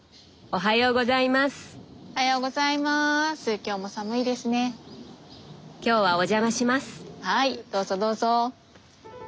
はいどうぞどうぞ。